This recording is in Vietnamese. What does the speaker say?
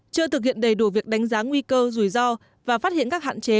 chưa thực hiện đầy đủ việc đánh giá nguy cơ rủi ro và phát hiện các hạn chế